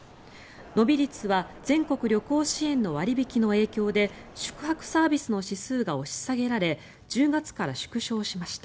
伸び率は全国旅行支援の割り引きの影響で宿泊サービスの指数が押し下げられ１０月から縮小しました。